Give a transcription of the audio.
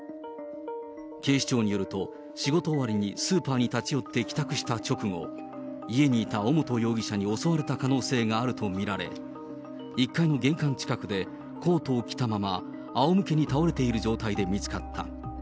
警視庁によると、仕事終わりにスーパーに立ち寄って帰宅した直後、家にいた尾本容疑者に襲われた可能性があると見られ、１階の玄関近くでコートを着たまま、あおむけに倒れている状態で見つかった。